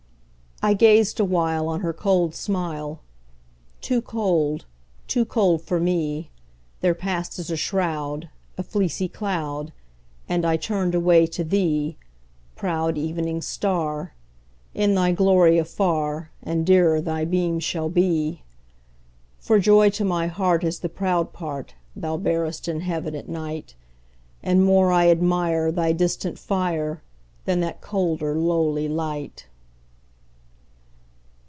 I gazed awhile On her cold smile; Too cold—too cold for me— There passed, as a shroud, A fleecy cloud, And I turned away to thee, Proud Evening Star, In thy glory afar And dearer thy beam shall be; For joy to my heart Is the proud part Thou bearest in Heaven at night, And more I admire Thy distant fire, Than that colder, lowly light.